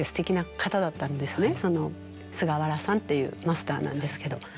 その菅原さんっていうマスターなんですけど。